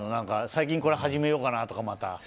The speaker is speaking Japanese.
最近これ始めようかなとか。